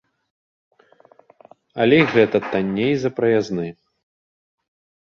Але і гэта танней за праязны.